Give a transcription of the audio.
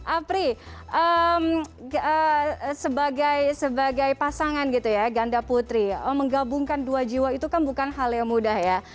apri sebagai pasangan gitu ya ganda putri menggabungkan dua jiwa itu kan bukan hal yang mudah ya